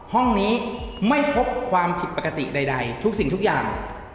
ห้องนี้ไม่พบความผิดปกติใดทุกสิ่งทุกอย่าง